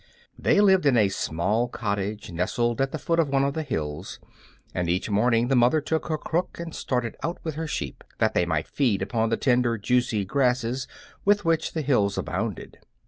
They lived in a small cottage nestled at the foot of one of the hills, and each morning the mother took her crook and started out with her sheep, that they might feed upon the tender, juicy grasses with which the hills abounded.